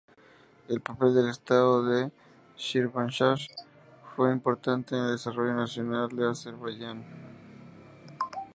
El papel del estado de Shirvanshah fue importante en el desarrollo nacional de Azerbaiyán.